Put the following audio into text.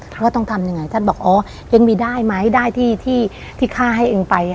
ว่าต้องทำยังไงท่านบอกอ๋อเองมีได้ไหมได้ที่ฆ่าให้เองไป